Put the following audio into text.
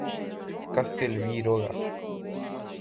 Castelví róga.